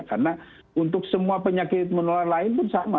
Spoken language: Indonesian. karena untuk semua penyakit menular lain pun sama